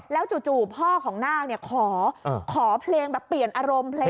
แล้วจู่พ่อของนาคขอเพลงแบบเปลี่ยนอารมณ์เพลง